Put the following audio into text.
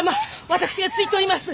私がついております。